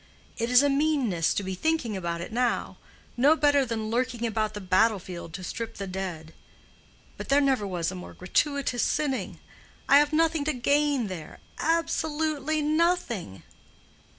It is a meanness to be thinking about it now—no better than lurking about the battle field to strip the dead; but there never was more gratuitous sinning. I have nothing to gain there—absolutely nothing.